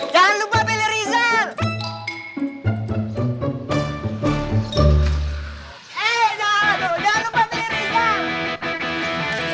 jangan lupa pilih rizal